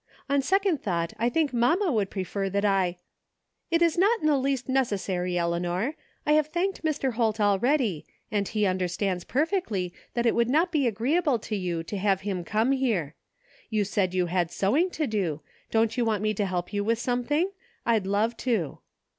On second thought I think mamma would prefer that I ^"" It is not in the least necessary, Eleanor ; I have thanked Mr. Holt already, and he understands perfectly that it would not be agreeable to you to have him come here. You said you had sewing to do, don't you want me to help you with something? I'd love to."